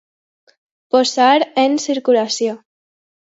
Posar en circulació.